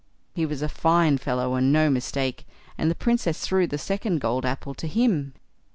He was a fine fellow, and no mistake; and the Princess threw the second gold apple to him."